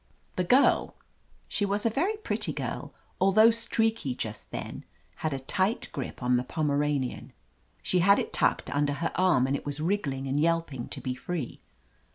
The girl — she was a very pretty girl, al though streaky just then— had a tight grip on the Pomeranian. She had it tucked under her arm and it was wriggling and yelping to be free.